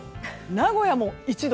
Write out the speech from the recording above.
名古屋も１度。